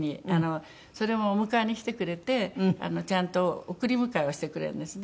それもお迎えに来てくれてちゃんと送り迎えをしてくれるんですね。